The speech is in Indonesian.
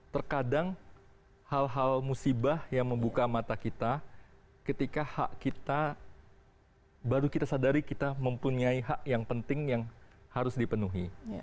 terkadang hal hal musibah yang membuka mata kita ketika hak kita baru kita sadari kita mempunyai hak yang penting yang harus dipenuhi